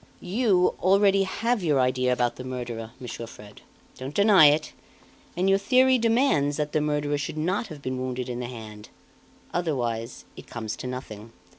You, already, have your idea about the murderer, Monsieur Fred. Don't deny it; and your theory demands that the murderer should not have been wounded in the hand, otherwise it comes to nothing.